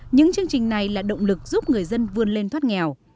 những chương trình này là động lực giúp người dân vươn lên thoát nghèo